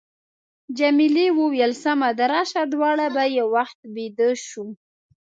جميلې وويل:، سمه ده، راشه دواړه به یو وخت بېده شو.